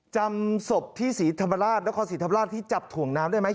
จำศพที่ศรีธรรมราชนครศรีธรรมราชที่จับถ่วงน้ำได้ไหม